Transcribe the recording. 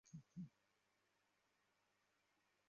এই প্রতিযোগিতাতে আরও দুইজন প্রতিযোগী রয়েছে।